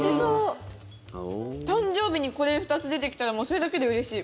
誕生日にこれ２つ出てきたらもうそれだけでうれしい。